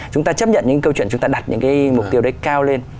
chúng ta chấp nhận những câu chuyện chúng ta đặt những cái mục tiêu đấy cao lên